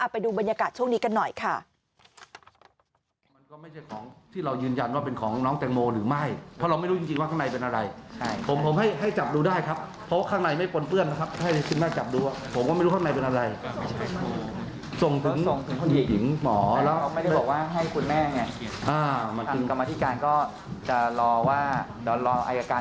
ไปดูบรรยากาศช่วงนี้กันหน่อยค่ะ